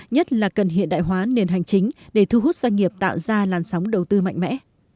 nhất là cần hiện đại hóa nền hành chính để thu hút doanh nghiệp tạo ra làn sóng đầu tư mạnh mẽ